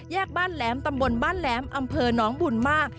บ้านแหลมตำบลบ้านแหลมอำเภอน้องบุญมาก